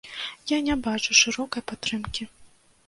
Я не бачу шырокай падтрымкі.